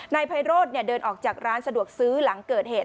ไพโรธเดินออกจากร้านสะดวกซื้อหลังเกิดเหตุ